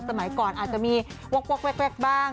สมัยก่อนอาจจะมีวอกแวกบ้าง